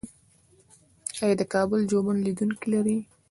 آیا د کابل ژوبڼ لیدونکي لري؟